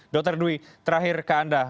dr dwi terakhir ke anda